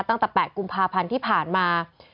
ตั้งแต่๘กุมภาพันธ์ที่ผ่านมา